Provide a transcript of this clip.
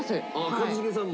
一茂さんも？